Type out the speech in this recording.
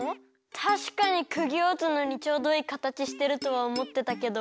たしかにくぎをうつのにちょうどいいかたちしてるとはおもってたけど。